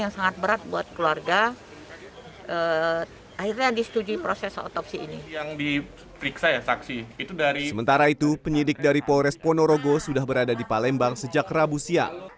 sementara itu penyidik dari polres ponorogo sudah berada di palembang sejak rabu siang